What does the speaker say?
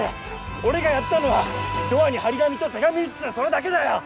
俺がやったのはドアに張り紙と手紙一通それだけだよ！